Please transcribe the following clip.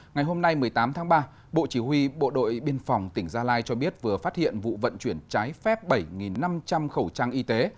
ngày hôm nay một mươi tám tháng ba bộ chỉ huy bộ đội biên phòng tỉnh gia lai cho biết vừa phát hiện vụ vận chuyển trái phép bảy năm trăm linh khẩu trang y tế